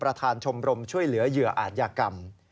ประธานชมรมช่วยเหลือเหยื่ออาญากรรม